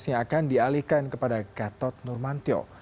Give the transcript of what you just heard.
yang akan dialihkan kepada gatot nurmantio